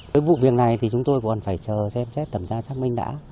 với vụ việc này thì chúng tôi còn phải chờ xem xét tẩm tra xác minh đã